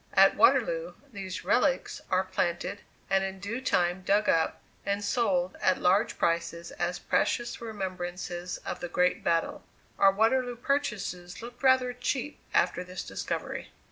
At Waterloo these "relics" are planted, and in due time dug up, and sold at large prices as precious remembrances of the great battle. Our Waterloo purchases looked rather cheap after this discovery.